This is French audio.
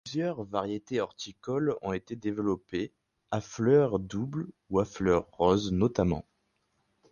Plusieurs variétés horticoles ont été développées, à fleurs doubles ou à fleurs roses notamment.